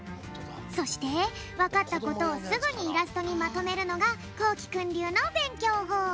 そしてわかったことをすぐにイラストにまとめるのがこうきくんりゅうのべんきょうほう。